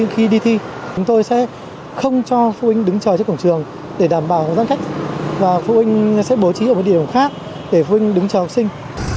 khi đi thi chúng tôi sẽ không cho phụ huynh đứng chờ trên cổng trường để đảm bảo gian cách và phụ huynh sẽ bố trí ở một địa điểm khác để phụ huynh đứng chờ học sinh